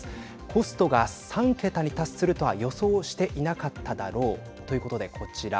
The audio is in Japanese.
コストが３桁に達するとは予想していなかっただろうということで、こちら。